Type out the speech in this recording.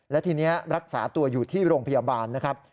และทีนี้รักษาตัวอยู่ที่โรงพยาบาลนะครับ